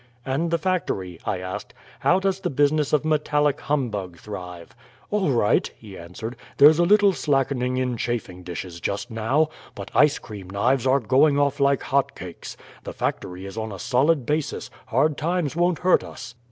"And the factory?" I asked. "How does the business of metallic humbug thrive?" "All right," he answered. "There's a little slackening in chafing dishes just now, but ice cream knives are going off like hot cakes. The factory is on a solid basis; hard times won't hurt us."